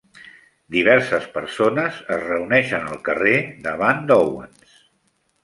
Diverses persones es reuneixen al carrer davant d'Owen's.